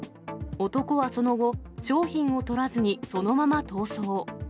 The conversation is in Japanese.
男はその後、商品をとらずにそのまま逃走。